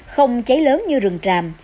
không cháy lớn như rừng tràm